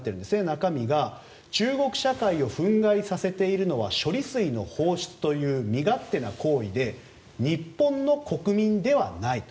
中身が中国社会を憤慨させているのは処理水の放出という身勝手な行為で日本の国民ではない。